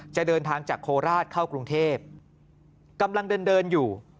จะเดินทางจากโคราชเข้ากรุงเทพกำลังเดินเดินอยู่